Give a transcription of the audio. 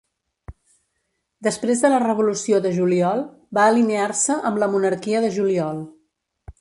Després de la Revolució de Juliol va alinear-se amb la Monarquia de Juliol.